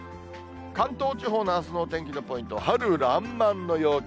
関東地方のあすのお天気のポイントは、春らんまんの陽気。